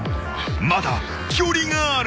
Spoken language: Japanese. ［まだ距離がある］